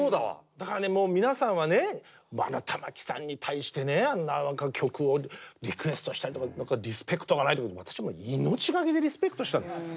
だから皆さんはね玉置さんに対してねあんな曲をリクエストしたりリスペクトがないとか私は命がけでリスペクトしたんです。